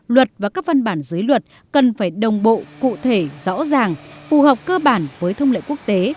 luật và các văn bản giới luật cần phải đồng bộ cụ thể rõ ràng phù hợp cơ bản với thông lệ quốc tế